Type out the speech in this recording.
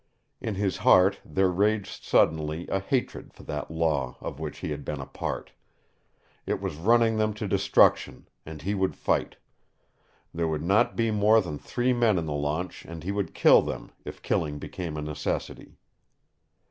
In his heart there raged suddenly a hatred for that Law of which he had been a part. It was running them to destruction, and he would fight. There would not be more than three men in the launch, and he would kill them, if killing became a necessity.